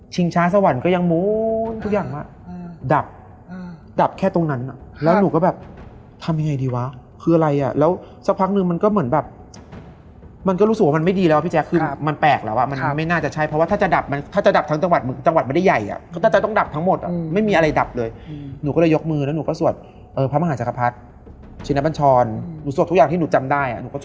เสร็จปุ๊บก็นอนหนูว่าคือนอนคือมันเป็นนอนแบบว่า